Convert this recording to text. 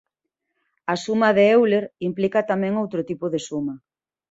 A suma de Euler implica tamén outro tipo de suma.